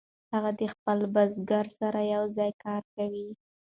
هغه د خپلو بزګرو سره یوځای کار کاوه.